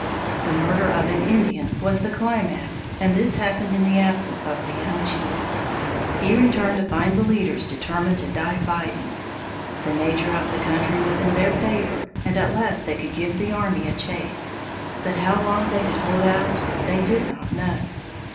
The murder of an Indian was the climax and this happened in the absence of the young chief. He returned to find the leaders determined to die fighting. The nature of the country was in their favor and at least they could give the army a chase, but how long they could hold out they did not know.